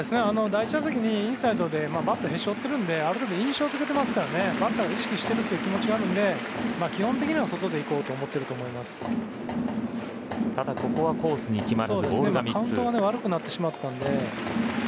第１打席にインサイドでバットをへし折ってるんで印象付けてますからバッターが意識しているという気持ちがあるので基本的には外でいこうとただここはコースに決まらずカウントが悪くなってしまったんで。